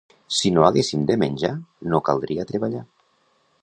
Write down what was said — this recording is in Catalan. Si no haguéssim de menjar, no caldria treballar.